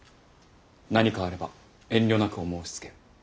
何かあれば遠慮なくお申しつけを。